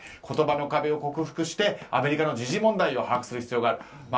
言葉の壁を克服してアメリカの時事問題を把握する必要がある。